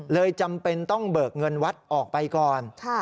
จำเป็นต้องเบิกเงินวัดออกไปก่อน